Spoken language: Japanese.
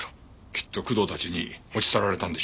きっと工藤たちに持ち去られたんでしょう。